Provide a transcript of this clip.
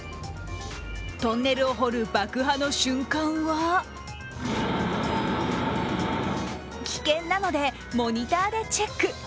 トンネルを掘る爆破の瞬間は危険なのでモニターでチェック。